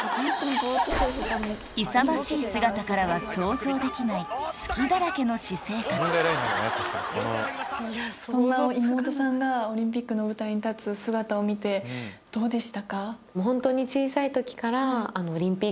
勇ましい姿からは想像できないそんな妹さんがオリンピックの舞台に立つ姿を見てどうでしたか？